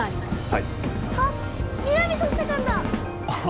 はいあっ皆実捜査官だああ